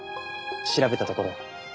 調べたところ